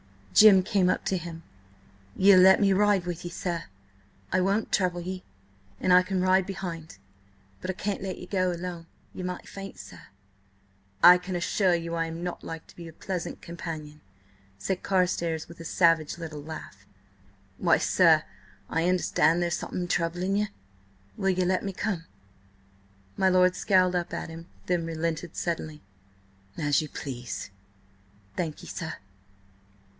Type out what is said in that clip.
Jim came up to him. "Ye'll let me ride with ye, sir? I won't trouble ye, and I can ride behind, but I can't let ye go alone. Ye might faint–sir—" "I can assure you I am not like to be a pleasant companion!" said Carstares with a savage little laugh. "Why, sir, I understand there's something troubling ye. Will ye let me come?" My lord scowled up at him, then relented suddenly. "As you please." "Thank ye, sir."